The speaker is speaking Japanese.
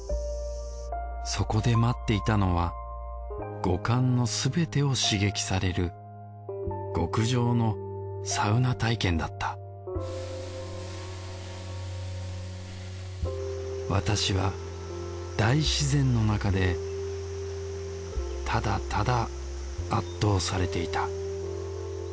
そこで待っていたのは五感のすべてを刺激される極上のサウナ体験だった私は大自然の中でただただ圧倒されていた